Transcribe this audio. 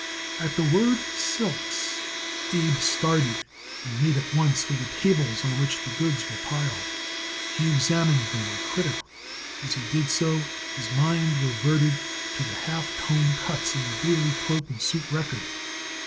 At the word silks Abe started and made at once for the tables on which the goods were piled. He examined them critically, and as he did so his mind reverted to the half tone cuts in the Daily Cloak and Suit Record.